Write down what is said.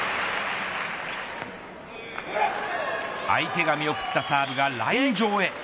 相手が見送ったサーブがライン上へ。